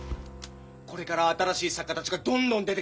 これから新しい作家たちがどんどん出てくる！